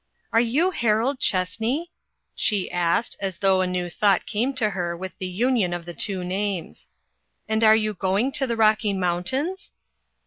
"Are you Harold Chessney?" she asked as though a new thought came to her with the union of the two names. " and are you going to the Rocky Mountains